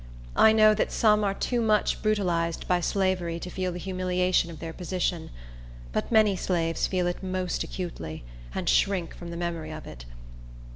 I know that some are too much brutalized by slavery to feel the humiliation of their position; but many slaves feel it most acutely, and shrink from the memory of it.